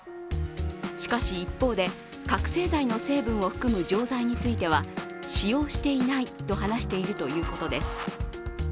しかし一方で覚醒剤の成分を含む錠剤については使用していないと話しているということです。